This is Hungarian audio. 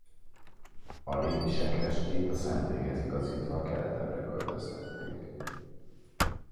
A régi sekrestyét a szentélyhez igazítva keletebbre költöztették.